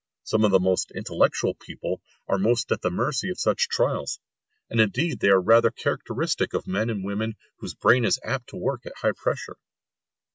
Some of the most intellectual people are most at the mercy of such trials, and indeed they are rather characteristic of men and women whose brain is apt to work at high pressure.